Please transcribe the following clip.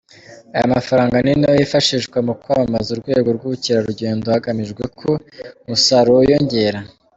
Ayo mafaranga ni nayo yifashishwa mu kwamamaza urwego rw’ubukerarugendo hagamijwe ko umusaruro wiyongera.”